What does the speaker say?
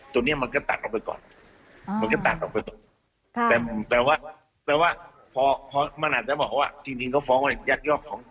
ตัวนี้มันก็ตัดออกไปก่อน